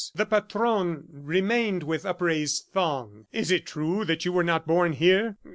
The Patron remained with upraised thong. "Is it true that you were not born here?